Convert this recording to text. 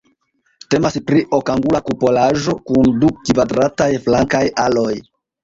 Temas pri okangula kupolaĵo kun du kvadrataj flankaj aloj.